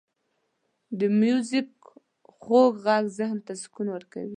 • د میوزیک خوږ ږغ ذهن ته سکون ورکوي.